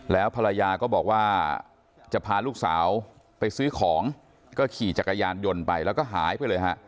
แล้วภรรยาก็บอกว่าจะพาลูกสาวไปซื้อของก็ขี่จักรยานยนต์ไปแล้วก็หายไปเลยฮะ